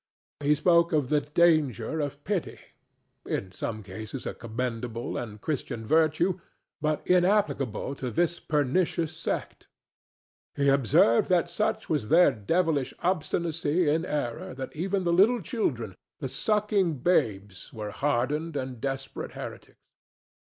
He spoke of the danger of pity—in some cases a commendable and Christian virtue, but inapplicable to this pernicious sect. He observed that such was their devilish obstinacy in error that even the little children, the sucking babes, were hardened and desperate heretics.